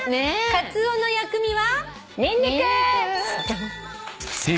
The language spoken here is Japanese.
「カツオの薬味は？」